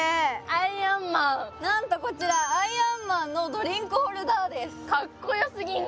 アイアンマンなんとこちらアイアンマンのドリンクホルダーですかっこよすぎん？